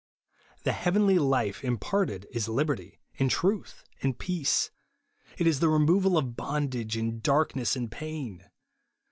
The heavenly life imparted is liberty, and truth, and peace ; it is the removal of bondage, and darkness, and pain.